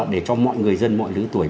để cho mọi người dân mọi lứa tuổi